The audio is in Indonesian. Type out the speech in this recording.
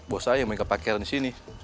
bos saya yang main kepakean di sini